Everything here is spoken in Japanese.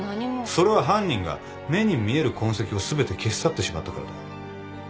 それは犯人が「目に見える痕跡」をすべて消し去ってしまったからだよ。